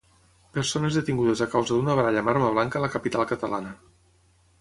Persones detingudes a causa d'una baralla amb arma blanca a la capital catalana.